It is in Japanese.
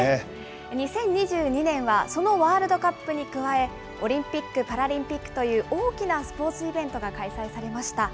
２０２２年はそのワールドカップに加え、オリンピック・パラリンピックという大きなスポーツイベントが開催されました。